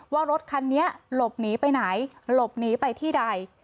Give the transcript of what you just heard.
ว่ารถคันนี้หลบหนีไปไหนหลบหนีไปที่ใด